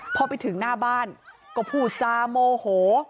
พอไปถึงหน้าบ้านก็พูดจาโมโห